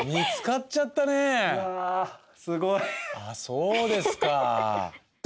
そうですか。